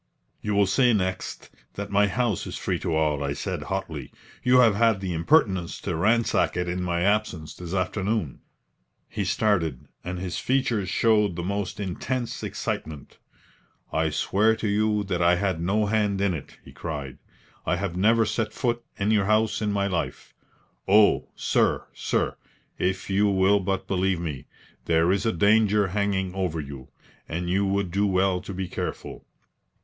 "You will say next that my house is free to all," I said, hotly. "You have had the impertience to ransack it in my absence this afternoon." He started, and his features showed the most intense excitement. "I swear to you that I had no hand in it!" he cried. "I have never set foot in your house in my life. Oh, sir, sir, if you will but believe me, there is a danger hanging over you, and you would do well to be careful."